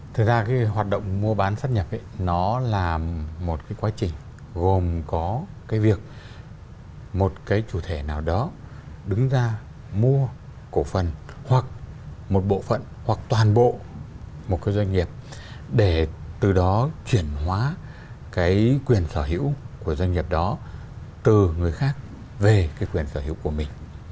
thực ra cái hoạt động mua bán sắt nhập nó là một cái quá trình gồm có cái việc một cái chủ thể nào đó đứng ra mua cổ phần hoặc một bộ phận hoặc toàn bộ một cái doanh nghiệp để từ đó chuyển hóa cái quyền sở hữu của doanh nghiệp đó từ người khác về cái quyền sở hữu của mình